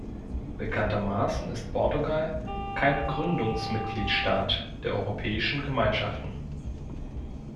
Bekanntermaßen ist Portugal kein Gründungsmitgliedstaat der Europäischen Gemeinschaften.